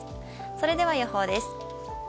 それでは予報です。